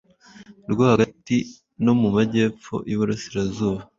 rwo hagati no mu Majyepfo y’Iburasirazuba.